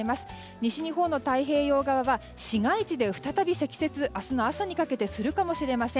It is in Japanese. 西日本の太平洋側は市街地で再び積雪が明日の朝にかけてするかもしれません。